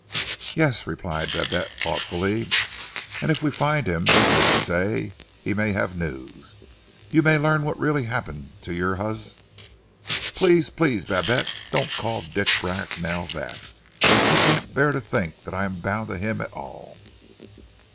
"Yes," replied Babette thoughtfully. "And if we find him, as you say, he may have news. You may learn what really happened to your hus " "Please! Please, Babette. Don't call Dick Bracknell that. I can't bear to think that I am bound to him at all."